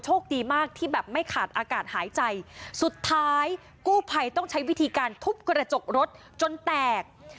ดีมากที่แบบไม่ขาดอากาศหายใจสุดท้ายกู้ภัยต้องใช้วิธีการทุบกระจกรถจนแตก